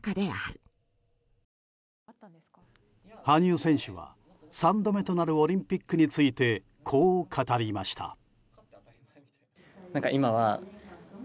羽生選手は３度目となるオリンピックについてこう語りました。